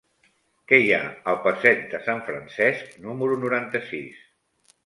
Què hi ha al passeig de Sant Francesc número noranta-sis?